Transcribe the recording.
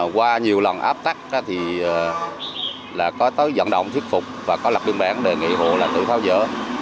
qua nhiều lần áp tắt thì có tới dẫn động thuyết phục và có lập biên bản đề nghị hộ là tự tháo dỡ